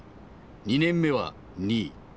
２年目は２位。